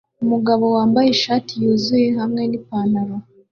Umugabo wambaye ishati yuzuye hamwe nipantaro